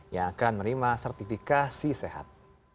yang akan menerima sertifikasi sehat